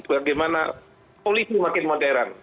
bagaimana polisi makin modern